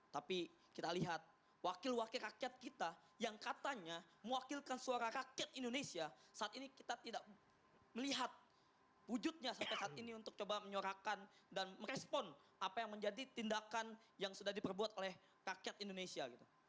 tapi kita lihat wakil wakil rakyat kita yang katanya mewakilkan suara rakyat indonesia saat ini kita tidak melihat wujudnya sampai saat ini untuk coba menyorakan dan merespon apa yang menjadi tindakan yang sudah diperbuat oleh rakyat indonesia